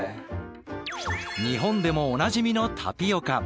日本でもおなじみのタピオカ。